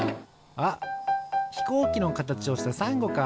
あっひこうきのかたちをしたさんごか。